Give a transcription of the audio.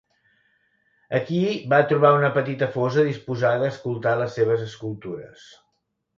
Aquí va trobar una petita fosa disposada a escoltar les seves escultures.